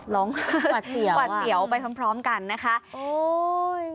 ร้องกว่าเถียวไปพร้อมกันนะคะโอ๊ย